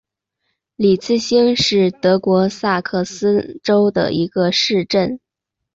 里茨兴是德国萨克森州的一个市镇。